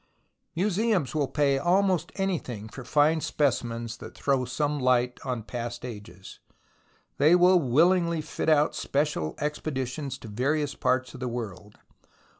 Museums will pay almost anything for fine specimens that throw some light on past ages. They will willingly fit out special expeditions to various parts of the world.